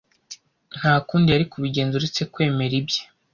Nta kundi yari kubigenza uretse kwemera ibye.